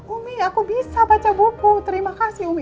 umi aku bisa baca buku terima kasih umi